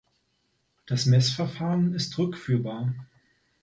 Das Messverfahren ist rückführbar.